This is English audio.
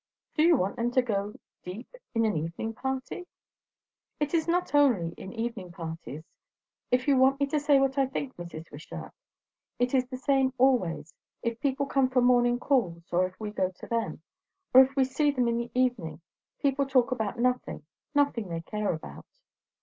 "Do you want them to go deep in an evening party?" "It is not only in evening parties. If you want me to say what I think, Mrs. Wishart. It is the same always, if people come for morning calls, or if we go to them, or if we see them in the evening; people talk about nothing; nothing they care about."